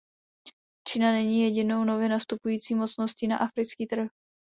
Čína není jedinou nově nastupující mocností na africký trh.